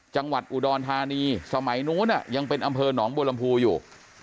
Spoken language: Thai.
จังหวัดอุดรธานีสมัยนู้นยังเป็นอำเภอหนองบัวลำพูอยู่